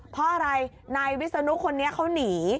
เพราะอะไรนายวิศนุคนนี้เขาหนี